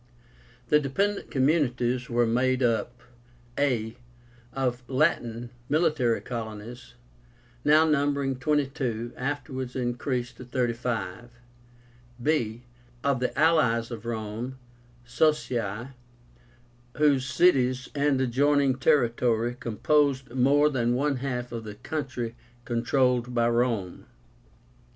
The DEPENDENT COMMUNITIES were made up, a. Of the LATIN (military) COLONIES, now numbering twenty two, afterwards increased to thirty five. b. Of the ALLIES of Rome (Socii), whose cities and adjoining territory composed more than one half of the country controlled by Rome.